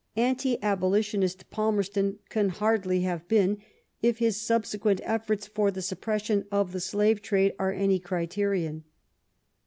Anti Abolitionist Palmerston can hardly have been, if his subsequent efforts for the sup pression of the slave trade are any criterion.